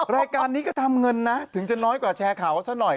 รายการนี้ก็ทำเงินนะถึงจะน้อยกว่าแชร์ข่าวซะหน่อย